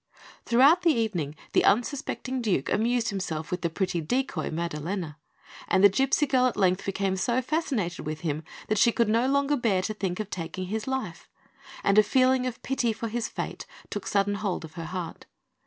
Throughout the evening, the unsuspecting Duke amused himself with the pretty decoy, Maddalena; and the gipsy girl at length became so fascinated with him that she could no longer bear to think of taking his life, and a feeling of pity for his fate took sudden hold of her heart.